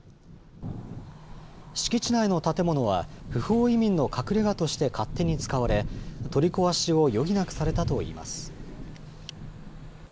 敷地内の建物は不法移民の隠れがとして勝手に使われ、取り壊しを余儀なくされたといいます。